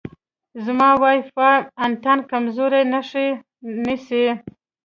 زما وای فای انتن کمزورې نښې نیسي.